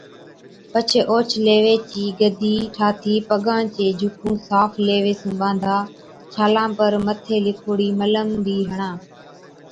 پڇي اوهچ ليوي چِي گڌِي ٺاهٿِي پگان چي جھِڪُون صاف ليوي سُون ٻانڌا۔ ڇالان پر مٿي لِکوڙا ملم بِي هڻا